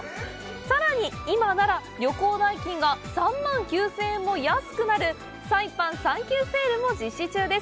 さらに今なら旅行代金が３万９０００円も安くなる「サイパンサンキューセール」も実施中です。